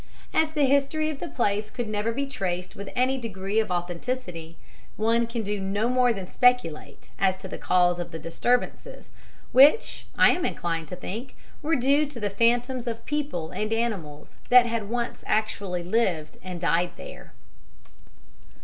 As the history of the place could never be traced with any degree of authenticity, one can do no more than speculate as to the cause of the disturbances, which, I am inclined to think, were due to the phantoms of people and animals that had once actually lived and died there.